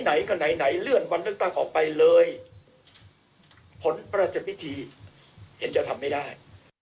ไหนก็ไหนไหนเลื่อนวันเลือกตั้งออกไปเลยผลประจัดพิธีเห็นจะทำไม่ได้